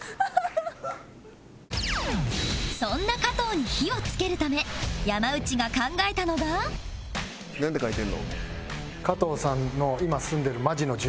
そんな加藤に火をつけるため山内が考えたのがなんて書いてるの？